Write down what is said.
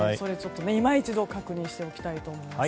いま一度確認しておきたいと思います。